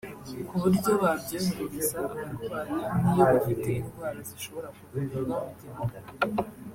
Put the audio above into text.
ku buryo babyoherereza abarwayi n’iyo bafite indwara zishobora kuvurirwa mu gihugu